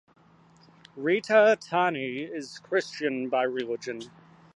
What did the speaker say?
Rita Tani is Christian by religion.